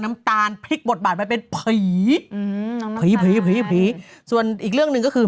น้ำตาลพริกหมดบาดไว้เป็นผัยหือยหนังสำหรับผีส่วนอีกเรื่องหนึ่งก็คือ